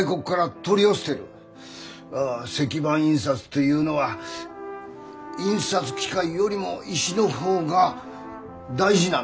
あ石版印刷というのは印刷機械よりも石の方が大事なんだよ。